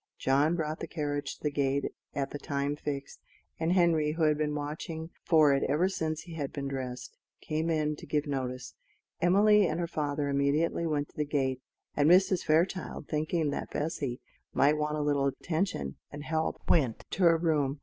John brought the carriage to the gate at the time fixed; and Henry, who had been watching for it ever since he had been dressed, came in to give notice. Emily and her father immediately went to the gate; and Mrs. Fairchild, thinking that Bessy might want a little attention and help, went to her room.